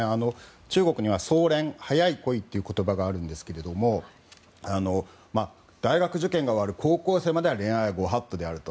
中国には早恋、早い恋という言葉があるんですが大学受験が終わる高校生までは恋愛が御法度であると。